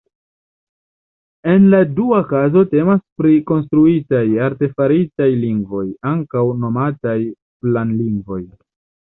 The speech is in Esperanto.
En la dua kazo temas pri konstruitaj, artefaritaj lingvoj, ankaŭ nomataj "planlingvoj".